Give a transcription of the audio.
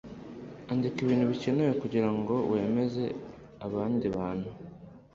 andika ibintu bikenewe kugirango wemeze abandi bantu